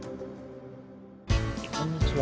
こんにちは。